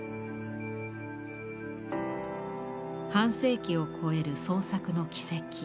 半世紀を超える創作の軌跡。